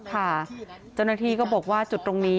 ค่ะเจ้าหน้าที่ก็บอกว่าจุดตรงนี้